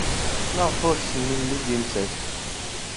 Maɣef ur as-teslid i nettat?